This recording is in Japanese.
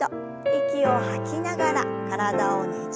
息を吐きながら体をねじって。